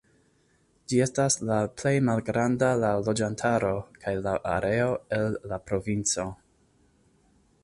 Ĝi estas la plej malgranda laŭ loĝantaro kaj laŭ areo el la provinco.